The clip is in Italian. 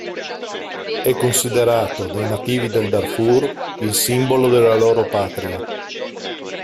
È considerato dai nativi del Darfur il simbolo della loro patria.